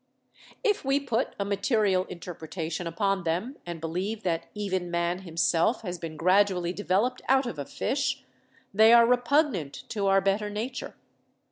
If we put a material inter pretation upon them, and believe that even Man himself has been gradually developed out of a Fish, they are repugnant to our better nature.